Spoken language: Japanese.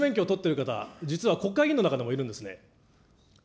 ２種免許を取ってる方、実は国会議員の中でもいるんですね。